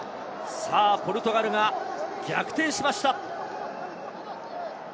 ポルトガルが逆転しました。